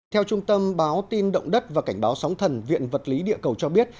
theo trung tâm báo tin động đất và cảnh báo sóng thần viện vật lý địa cầu cho biết